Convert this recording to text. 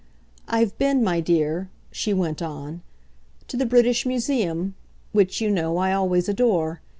I've been, my dear," she went on, "to the British Museum which, you know, I always adore.